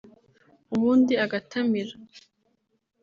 ubundi agatamira